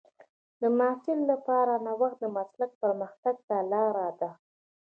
د محصل لپاره نوښت د مسلک پرمختګ ته لار ده.